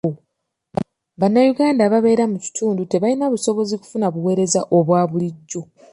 Bannayuganda ababeera mu kitundu tebalina busobozi kufuna buweereza obwa bulijjo.